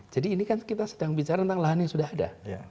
ini kan kita sedang bicara tentang lahan yang sudah ada